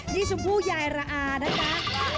นี่ชมพูยายรานะคะ